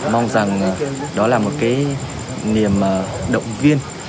mong rằng đó là một cái niềm động viên